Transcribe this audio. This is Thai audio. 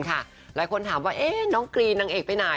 หลายคนถามว่าน้องกรีนนางเอกไปไหน